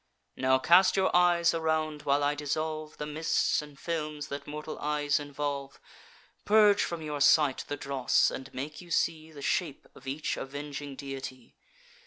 Now cast your eyes around, while I dissolve The mists and films that mortal eyes involve, Purge from your sight the dross, and make you see The shape of each avenging deity.